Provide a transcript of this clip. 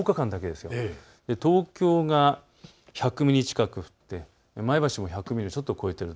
東京が１００ミリ近く降って前橋も１００ミリをちょっと超えている。